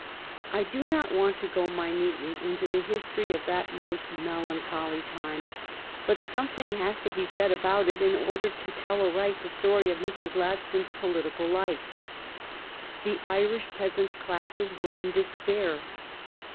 I do not want to go minutely into the history of that most melancholy time; but something 338 THE STORY OF GLADSTONE'S LIFE has to be said about it in order to tell aright the story of Mr. Gladstone's political life. The Irish peasant classes were in despair.